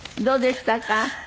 どうでしたか？